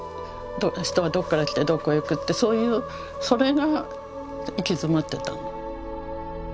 人はどこから来てどこへ行くってそれが行き詰まってたの。